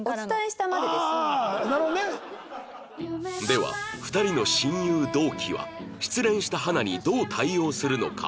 では２人の親友同期は失恋した花にどう対応するのか？